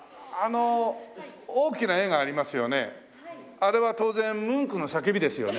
あれは当然ムンクの『叫び』ですよね。